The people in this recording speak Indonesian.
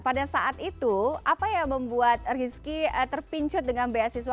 pada saat itu apa yang membuat rizky terpincut dengan beasiswa